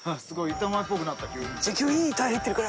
板前っぽくなった急に。